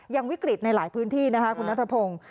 ยังวิกฤตในหลายพื้นที่นะคะคุณนัทพงศ์